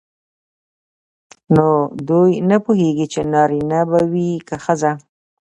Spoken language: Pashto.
نو دوی نه پوهیږي چې نارینه به وي که ښځه.